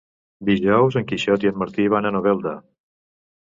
Dijous en Quixot i en Martí van a Novelda.